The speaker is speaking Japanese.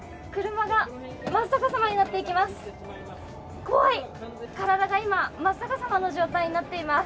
車が真っ逆さまになっていきます。